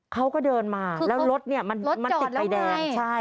เขาก็เดินมาแล้วรถเนี่ยมันติดไฟแดงใช่